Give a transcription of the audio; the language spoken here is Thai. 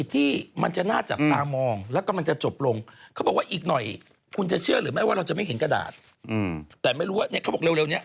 ทำให้พนักงานธนาคารถูกกระทบกระเทือน